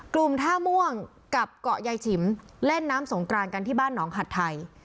กลุ่มท่าม่วงกับเกาะยายฉิมเล่นน้ำสงกรานกันที่บ้านหนองหัดไทย